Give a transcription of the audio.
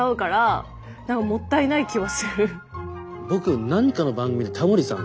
僕何かの番組でタモリさんの。